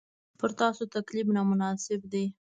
پر تاسو تکلیف نامناسب دی.